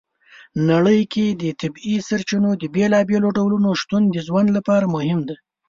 نړۍ کې د طبیعي سرچینو د بېلابېلو ډولو شتون د ژوند لپاره مهم دی.